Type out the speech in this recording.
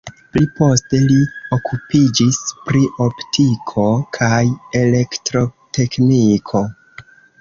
Pli poste li okupiĝis pri optiko kaj elektrotekniko.